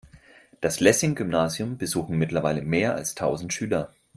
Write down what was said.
Das Lessing-Gymnasium besuchen mittlerweile mehr als tausend Schüler.